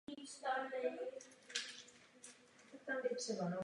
A to musíme urychleně napravit.